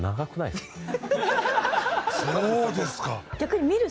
そうですか。